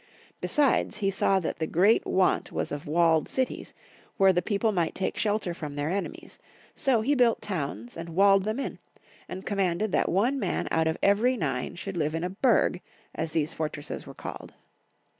Be sides, he saw that the great want was of walled cities, where the people might take shelter from their enemies ; so he built towns and walled them in, and commanded that one man out of every nine should live in a hurg^ as these fortresses were called.